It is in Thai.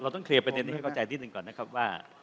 ต้องเคลียร์ประเด็นนี้ให้เข้าใจนิดหนึ่งก่อนนะครับว่า